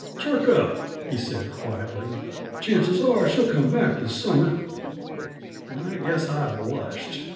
"Chirk up," he said quietly. "The chances are she'll come back this summer." I guess I blushed.